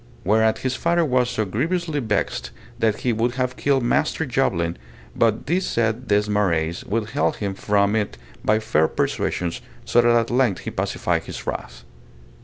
Whereat his father was so grievously vexed that he would have killed Master Jobelin, but the said Des Marays withheld him from it by fair persuasions, so that at length he pacified his wrath.